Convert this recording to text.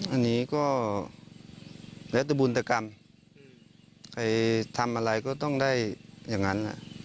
อันนี้ก็แล้วแต่บุญตกรรมใครทำอะไรก็ต้องได้อย่างนั้น